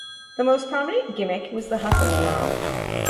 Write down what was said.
The most prominent gimmick was the Hustle Alarm.